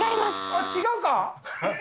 あっ、違うか。